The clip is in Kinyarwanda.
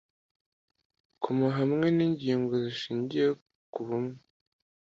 koma hamwe ningingo zishingiye kubumwe